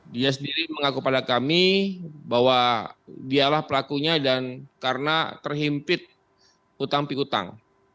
dia sendiri mengaku pada kami bahwa dialah pelakunya dan karena terhimpit utang piutang